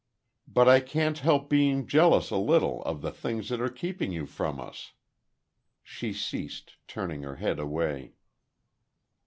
But I can't help being jealous a little of the things that are keeping you from us...." She ceased, turning her head away.